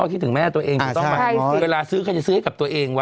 คิดถึงแม่ตัวเองถูกต้องไหมเวลาซื้อใครจะซื้อให้กับตัวเองว่